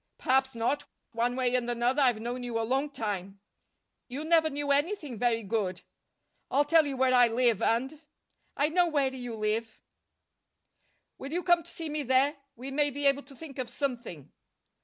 "Perhaps not. One way and another I've known you a long time." "You never knew anything very good." "I'll tell you where I live, and " "I know where you live." "Will you come to see me there? We may be able to think of something."